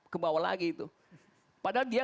kebawa lagi itu padahal dia